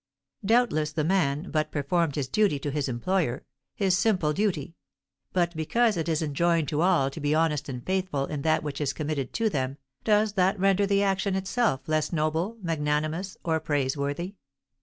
Doubtless the man but performed his duty to his employer, his simple duty; but because it is enjoined to all to be honest and faithful in that which is committed to them, does that render the action itself less noble, magnanimous, or praiseworthy?